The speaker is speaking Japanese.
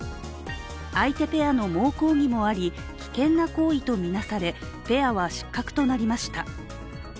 相手ペアの猛抗議もあり危険な行為とみなされペアは失格となりました。